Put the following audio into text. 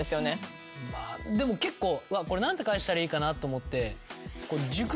でも結構何て返したらいいかなと思って。